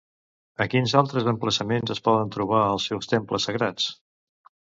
A quins altres emplaçaments es poden trobar els seus temples sagrats?